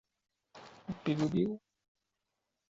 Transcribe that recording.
这些设备通常采用磁探测器确定杆的位置。